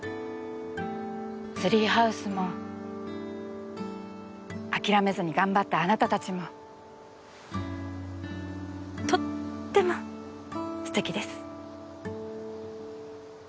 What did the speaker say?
ツリーハウスも諦めずに頑張ったあなたたちもとってもすてきです。